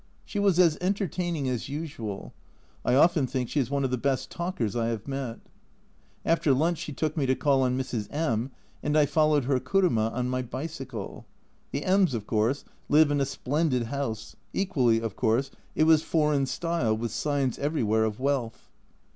She was as entertaining as usual. I often think she is one of the best talkers I have met. After lunch she took me to call on Mrs. M , and I followed her kuruma on my bicycle. The M s, of course, live in a splendid house, equally, of course, it was "foreign style," with signs everywhere of wealth.